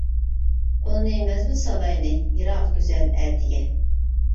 ئۇلنى مەزمۇت سالايلى، يىراق گۈزەل ئەتىگە.